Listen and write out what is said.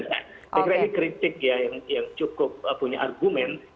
jadi kritis ya yang cukup punya argumen